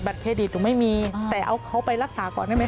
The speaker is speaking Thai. เครดิตหนูไม่มีแต่เอาเขาไปรักษาก่อนได้ไหม